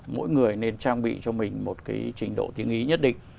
mỗi người nên trang bị cho mình một cái trình độ tiếng ý nhất định